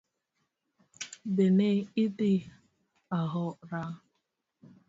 Be ne idhi aora?